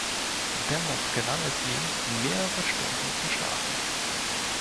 Dennoch gelang es ihm, mehrere Stunden zu schlafen.